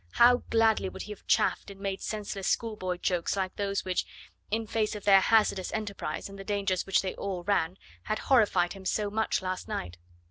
How gladly would he have chaffed and made senseless schoolboy jokes like those which in face of their hazardous enterprise and the dangers which they all ran had horrified him so much last night.